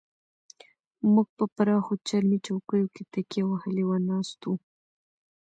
موږ په پراخو چرمي چوکیو کې تکیه وهلې ناست وو.